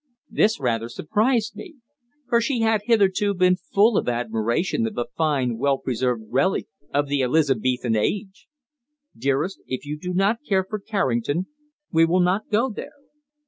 This rather surprised me, for she had hitherto been full of admiration of the fine, well preserved relic of the Elizabethan age. "Dearest, if you do not care for Carrington we will not go there.